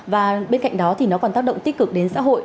và bên cạnh đó thì nó còn tác động tích cực đến xã hội